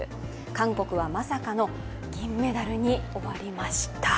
韓国はまさかの銀メダルに終わりました。